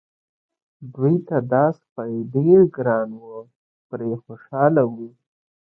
دوی ته دا سپی ډېر ګران و پرې خوشاله وو.